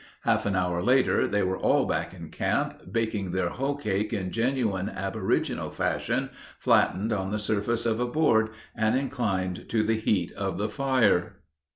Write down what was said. Half an hour later they were all back in camp, baking their hoe cake in genuine aboriginal fashion, flattened on the surface of a board and inclined to the heat of the fire.